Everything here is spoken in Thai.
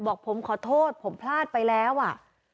บอกผมขอโทษผมพลาดไปแล้วอ่ะ